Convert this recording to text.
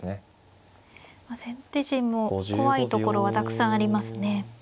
先手陣も怖いところはたくさんありますね。